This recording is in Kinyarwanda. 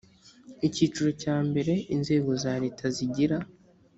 icyiciro cya mbere inzego za leta zigira